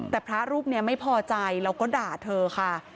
แต่พระรูปนี้ไม่พอใจแล้วก็ด่าเธอค่ะ